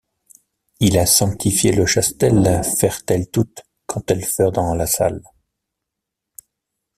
Il ha sanctifié le chastel, feirent-elles toutes quand elles feurent en la salle.